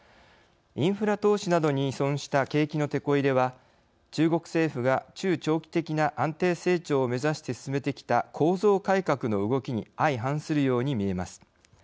インフラ投資などに依存した景気のてこ入れは中国政府が中長期的な安定成長を目指して進めてきた構造改革の動きに相反するように見えます。